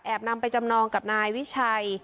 นำไปจำนองกับนายวิชัย